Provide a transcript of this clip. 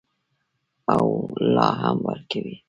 او لا هم ورکوي.